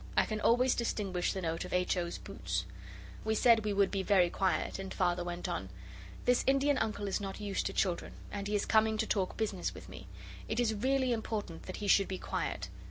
I can always distinguish the note of H. O.'s boots.' We said we would be very quiet, and Father went on 'This Indian Uncle is not used to children, and he is coming to talk business with me. It is really important that he should be quiet.